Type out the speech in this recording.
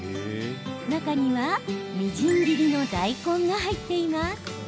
中には、みじん切りの大根が入っています。